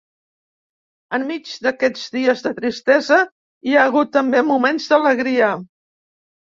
Enmig d'aquests dies de tristesa, hi ha hagut també moments d'alegria.